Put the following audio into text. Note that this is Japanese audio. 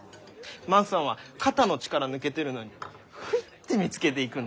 万さんは肩の力抜けてるのにふって見つけていくんだ。